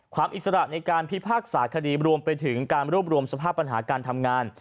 อิสระในการพิพากษาคดีรวมไปถึงการรวบรวมสภาพปัญหาการทำงาน